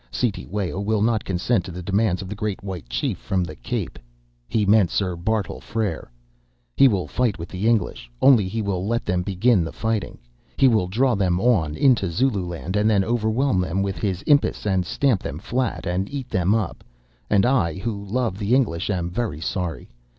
Cetewayo will not consent to the demands of the great White Chief from the Cape,'—he meant Sir Bartle Frere—'he will fight with the English; only he will let them begin the fighting. He will draw them on into Zululand and then overwhelm them with his impis and stamp them flat, and eat them up; and I, who love the English, am very sorry.